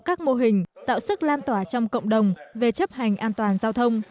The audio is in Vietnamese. các mô hình tạo sức lan tỏa trong cộng đồng về chấp hành an toàn giao thông